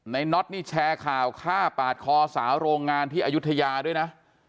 น็อตนี่แชร์ข่าวฆ่าปาดคอสาวโรงงานที่อายุทยาด้วยนะ